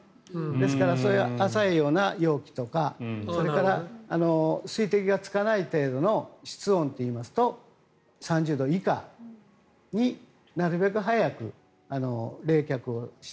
ですから浅いような容器とかそれから水滴がつかない程度の室温といいますと３０度以下になるべく早く冷却をして。